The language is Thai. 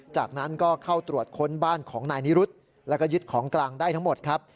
จากนั้นก็เข้าตรวจค้นบ้านของนายนิรุธแล้วก็ยึดของกลางได้ทั้งหมดครับ